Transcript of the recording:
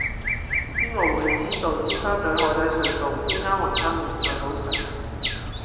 邊個會知道尖沙咀海底隧道邊間雲吞麵最好食